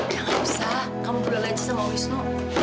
jangan usah kamu berolah aja sama wisnu